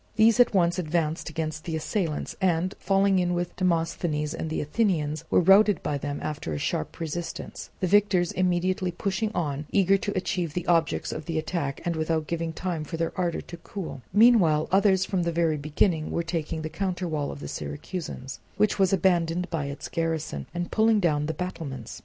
These at once advanced against the assailants and, falling in with Demosthenes and the Athenians, were routed by them after a sharp resistance, the victors immediately pushing on, eager to achieve the objects of the attack without giving time for their ardour to cool; meanwhile others from the very beginning were taking the counterwall of the Syracusans, which was abandoned by its garrison, and pulling down the battlements.